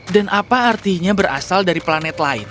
dan apa artinya berasal dari planet lain